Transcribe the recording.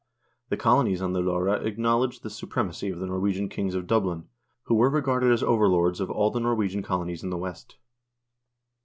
The colonies on the Loire acknowledged the supremacy of the Norwegian kings of Dublin, who were regarded as overlords of all the Norwegian colo nies in the West.